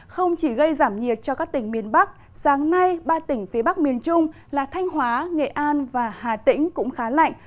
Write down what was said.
không chỉ gây giảm nhiệt cho các tỉnh miền bắc sáng nay ba tỉnh phía bắc miền trung là thanh hóa nghệ an và hà tĩnh cũng khá lạnh